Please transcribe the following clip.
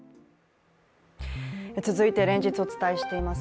続いて、連日お伝えしています